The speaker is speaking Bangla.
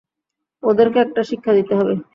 ওদেরকে একটা শিক্ষা দিতে হবে।